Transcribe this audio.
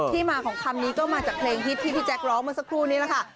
มาของคำนี้ก็มาจากเพลงฮิตที่พี่แจ๊คร้องเมื่อสักครู่นี้แหละค่ะ